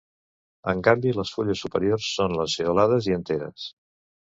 En canvi, les fulles superiors són lanceolades i enteres.